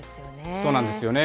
そうなんですよね。